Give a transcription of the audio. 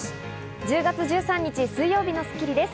１０月１３日、水曜日の『スッキリ』です。